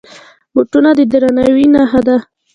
بوټونه د درناوي نښه ده.